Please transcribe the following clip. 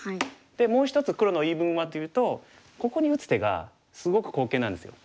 でもう一つ黒の言い分はというとここに打つ手がすごく好形なんですよ。